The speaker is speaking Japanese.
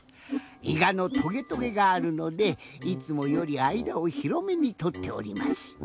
いがのトゲトゲがあるのでいつもよりあいだをひろめにとっております。